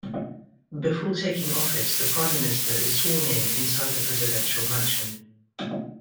Before taking office, the prime minister is sworn in inside the Presidential Mansion.